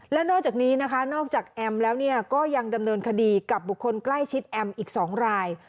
และนอกจากนี้นะคะนอกจากแอมแล้วก็ยังดำเนินคดีกับบุคคลใกล้ชิดแอมอีก๒ราย